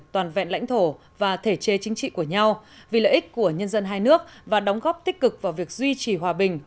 toàn vẹn lãnh thổ và thể chế chính trị của nhau vì lợi ích của nhân dân hai nước và đóng góp tích cực vào việc duy trì hòa bình